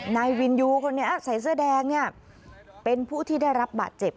นายวินยูคนนี้ใส่เสื้อแดงเนี่ยเป็นผู้ที่ได้รับบาดเจ็บ